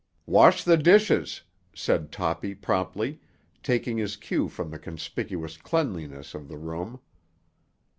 "Wash the dishes," said Toppy promptly, taking his cue from the conspicuous cleanliness of the room.